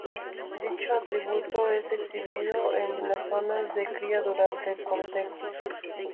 Dicho atributo es exhibido en las zonas de cría durante el cortejo.